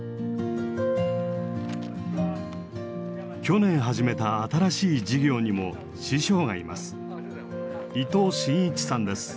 去年始めた新しい事業にも師匠がいます。